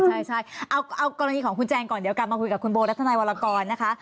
ใช่เอากรณีของคุณแจนก่อนเดี๋ยวกลับมาคุยกับคุณโบรัฐนายวรกรนะคะ